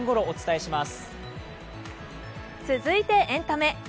続いてエンタメ。